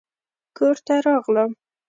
کور ته راغلم